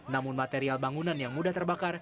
namun material bangunan yang mudah terbakar